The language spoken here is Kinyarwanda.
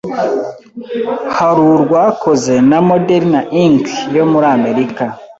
hari urwakoze na Moderna Inc. yo muri Amerika